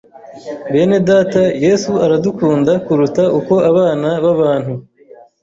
Bene data Yesu aradukunda kuruta uko abana b’abantu